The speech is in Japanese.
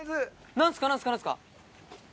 何すか？